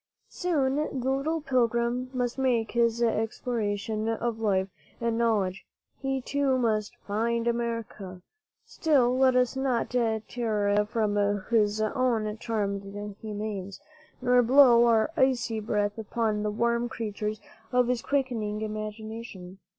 Soon the little pilgrim must make his exploration of life and knowledge. He, too, ' 'must find America." Still, let us not tear him from his own charmed domains, nor blow our icy breath upon the warm creatures of his quickening imagination.